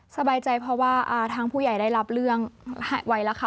สบายใจเพราะว่าทางผู้ใหญ่ได้รับเรื่องไว้แล้วค่ะ